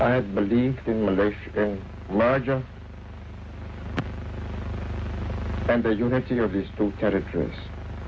ครับคุณผู้สร้างชาวสิงคโปร์คงตามมาและหมุนผลที่ตัวเอง